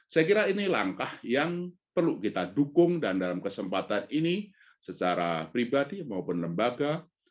saya kira ini langkah yang perlu kita dukung dan dalam kesempatan ini secara pribadi maupun lembaga